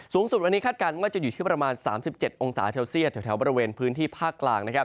สูงสุดวันนี้คาดการณ์ว่าจะอยู่ที่ประมาณ๓๗องศาเซลเซียตแถวบริเวณพื้นที่ภาคกลางนะครับ